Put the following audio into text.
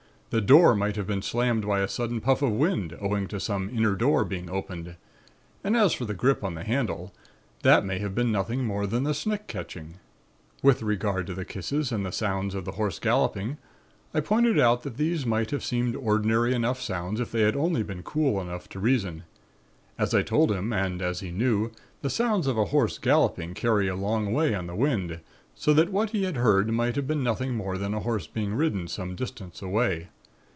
The door might have been slammed by a sudden puff of wind owing to some inner door being opened; and as for the grip on the handle, that may have been nothing more than the snick catching. "With regard to the kisses and the sounds of the horse galloping, I pointed out that these might have seemed ordinary enough sounds, if they had been only cool enough to reason. As I told him, and as he knew, the sounds of a horse galloping carry a long way on the wind so that what he had heard might have been nothing more than a horse being ridden some distance away.